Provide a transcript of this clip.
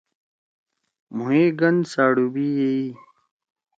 مھوئے گن ساڈوبی یے یی۔